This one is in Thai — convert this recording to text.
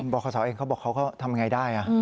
บอกข้อสาวเองเขาบอกว่าเขาก็ทำยังไงได้